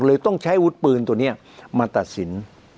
ต้องใช้อาวุธปืนตัวนี้มาตัดสิน